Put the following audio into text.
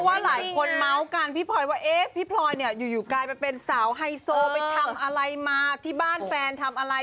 ว่าหลายคนเมาส์กันพี่พลอยว่าเอ๊ะพี่พลอยเนี่ยอยู่กลายไปเป็นสาวไฮโซไปทำอะไรมาที่บ้านแฟนทำอะไร